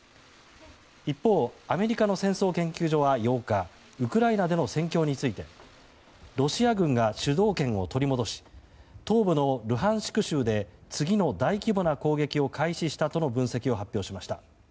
一方、アメリカの戦争研究所は８日ウクライナでの戦況についてロシア軍が主導権を取り戻し東部のルハンシク州で次の大規模な攻撃を開始したとの分析を発表しました。